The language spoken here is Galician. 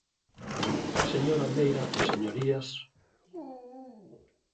Señora Meira, señorías.